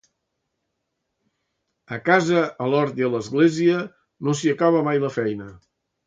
A casa, a l'hort i a l'església, no s'hi acaba mai la feina.